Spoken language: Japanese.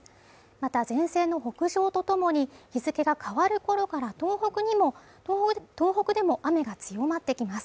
また前線の北上とともに日付が変わる頃から東北でも雨が強まってきます。